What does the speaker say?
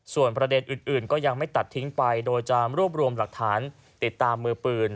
ส่วนประเด็นอื่นก็ยังไม่ตัดทิ้งไปโดยจะรวบรวมหลักฐานติดตามมือปืน